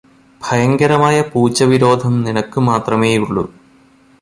ഭയങ്കരമായ പൂച്ച വിരോധം നിനക്കു മാത്രമേയുള്ളൂ.